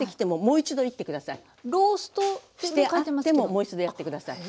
もう一度やって下さい。